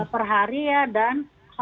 per hari ya dan